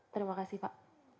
terima kasih pak